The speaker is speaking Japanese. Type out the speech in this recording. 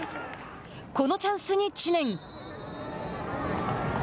このチャンスに知念。